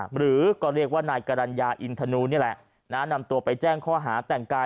หรือก็เรียกว่านายกรรณญาอินทนูนี่แหละนะนำตัวไปแจ้งข้อหาแต่งกาย